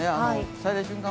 最大瞬間